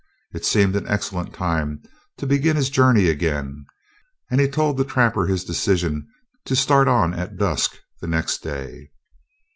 It seemed an excellent time to begin his journey again, and he told the trapper his decision to start on at dusk the next day.